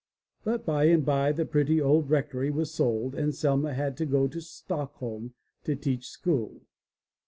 But by and by the pretty old rectory was sold and Selma had to go to Stockholm to teach school.